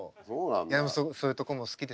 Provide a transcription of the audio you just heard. でもそういうとこも好きです。